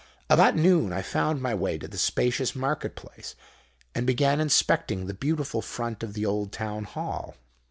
About noon I found my way to the spacious market place, and began inspecting the beautiful front of the old Town Hall.